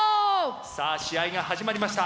さあ試合が始まりました。